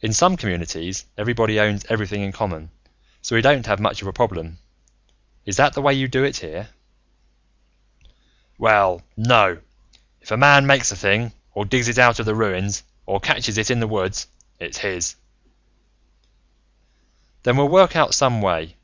"In some communities, everybody owns everything in common and so we don't have much of a problem. Is that the way you do it, here?" "Well, no. If a man makes a thing, or digs it out of the ruins, or catches it in the woods, it's his." "Then we'll work out some way.